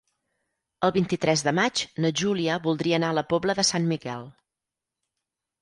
El vint-i-tres de maig na Júlia voldria anar a la Pobla de Sant Miquel.